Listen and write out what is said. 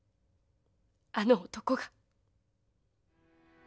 あの男が。